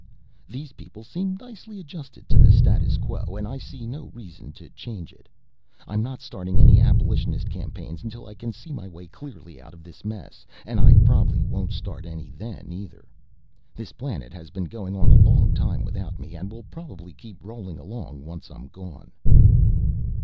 These people seem nicely adjusted to the status quo and I see no reason to change it. I'm not starting any abolitionist campaigns until I can see my way clearly out of this mess, and I probably won't start any then either. This planet has been going on a long time without me, and will probably keep rolling along once I'm gone."